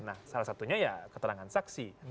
nah salah satunya ya keterangan saksi